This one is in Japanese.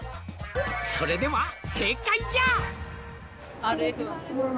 「それでは正解じゃ」